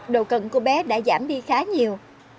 độ cận của bé đã giảm đi khá nhiều